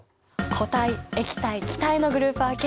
固体液体気体のグループ分け